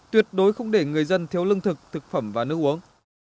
tuyệt đối không để người dân thiếu lương thực thực phẩm và nước uống